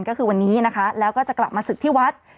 ก็คือวันนี้นะคะแล้วก็จะกลับมาศึกที่วัด